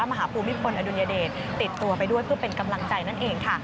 ภูมิพลอดุลยเดชติดตัวไปด้วยเพื่อเป็นกำลังใจนั่นเองค่ะ